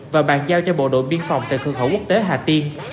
và bàn giao cho bộ đội biên phòng cơ khẩu quốc tế hà tiên